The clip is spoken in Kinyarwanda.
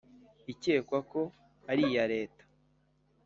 ikekwa ko ari iya Leta